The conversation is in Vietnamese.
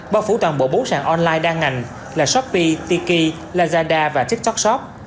bao phủ toàn bộ bốn sàn online đa ngành là shopee tiki lazada và tiktok shop